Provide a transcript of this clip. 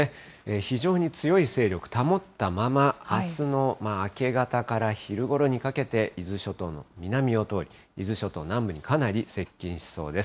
非常に強い勢力保ったまま、あすの明け方から昼ごろにかけて、伊豆諸島の南を通り、伊豆諸島南部にかなり接近しそうです。